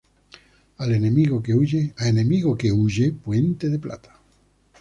Al enemigo que huye, puente de plata